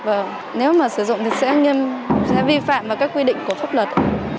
và nếu mà sử dụng thì sẽ nghiêm sẽ vi phạm vào các quy định của pháp luật